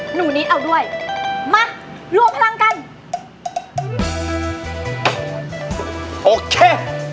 หนูนิดเอาด้วยมารวมพลังกันโอเค